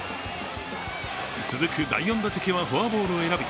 続く第４打席はフォアボールを選び